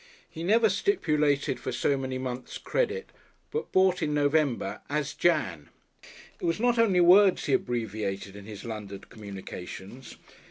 He never stipulated for so many months' credit, but bought in November "as Jan." It was not only words he abbreviated in his London communications.